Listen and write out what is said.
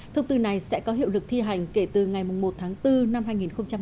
thông tư này sẽ có hiệu lực thi hành kể từ ngày một bốn hai nghìn một mươi tám